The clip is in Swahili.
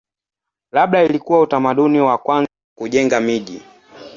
Labda ilikuwa utamaduni wa kwanza wa kujenga miji.